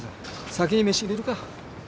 先にメシ入れるか？